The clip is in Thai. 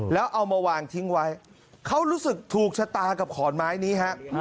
แล้วเอามาวางทิ้งไว้เขารู้สึกถูกชะตากับขอนไม้นี้ฮะ